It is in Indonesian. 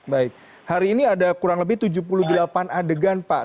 baik hari ini ada kurang lebih tujuh puluh delapan adegan pak